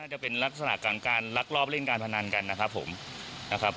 จะเป็นลักษณะของการลักลอบเล่นการพนันกันนะครับผมนะครับ